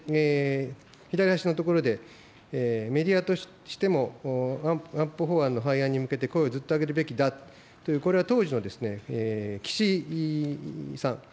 左端のところで、メディアとしても安保法案の廃案に向けて声をずっと上げるべきだという、これは当時の岸井さん